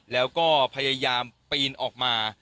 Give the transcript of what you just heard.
แล้วก็พยายามปีนออกมา